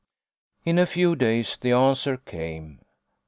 In a few days the answer came.